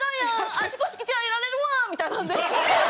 「足腰鍛えられるわ」みたいなんで。